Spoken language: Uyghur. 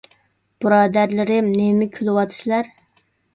بۇرادەرلىرىم، نېمىگە كۈلۈۋاتىسىلەر؟